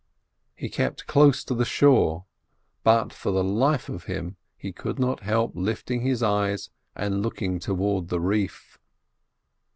He kept close to the shore, but for the life of him he could not help lifting his eyes and looking towards the reef.